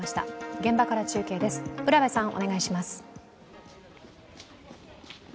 現場から中継です。